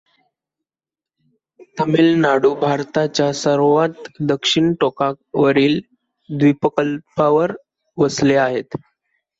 तमिळनाडू भारताच्या सर्वात दक्षिणटोकावरील द्वीपकल्पावर वसले आहे.